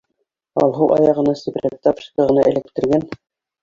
Алһыу аяғына сепрәк тапочка ғына эләктергән.